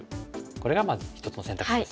これがまず一つの選択肢です。